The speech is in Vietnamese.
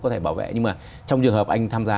có thể bảo vệ nhưng mà trong trường hợp anh tham gia